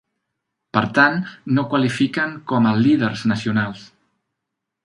Per tant, no qualifiquen com a "líders nacionals".